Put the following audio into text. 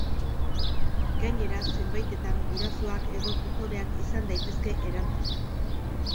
Gainera, zenbaitetan gurasoak edo tutoreak izan daitezke erantzule.